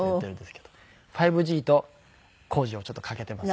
５Ｇと康二をちょっとかけてます。